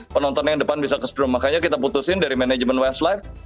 penonton yang depan bisa ke strum makanya kita putusin dari manajemen westlife